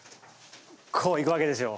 こう行くわけですよ。